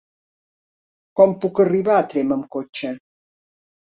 Com puc arribar a Tremp amb cotxe?